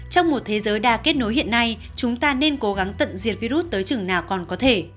trong một thế giới đa kết nối hiện nay chúng ta nên cố gắng tận diệt virus tới trường nào còn có thể